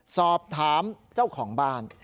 สอบถามเจ้าของบ้าน